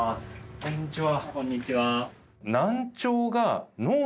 こんにちは。